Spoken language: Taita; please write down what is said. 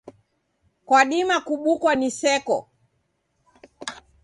Kwadima kubukwa ni seko.